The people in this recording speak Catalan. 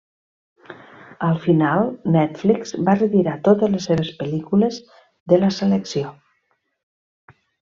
Al final, Netflix va retirar totes les seves pel·lícules de la selecció.